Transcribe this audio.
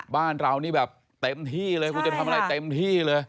บ้านเรานี่แบบเต็มที่เลยคุณจะทำอะไรเต็มที่เลย